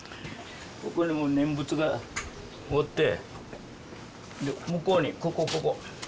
ここにも念仏がおって向こうにここここ。